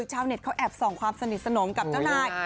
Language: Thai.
ชาวเน็ตเขาแอบส่องความสนิทสนมกับเจ้านาย